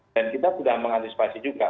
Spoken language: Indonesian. dan kita sudah mengantisipasi juga